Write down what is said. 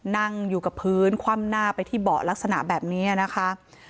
นั่งอยู่กับพื้นคว่ำหน้าไปที่เบาะลักษณะแบบนี้นะคะ